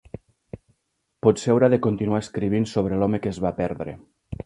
Potser haurà de continuar escrivint sobre l'home que es va perdre.